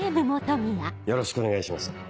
よろしくお願いします。